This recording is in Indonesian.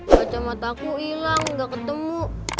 kaca mataku hilang gak ketemu